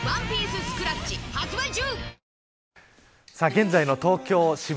現在の東京、渋谷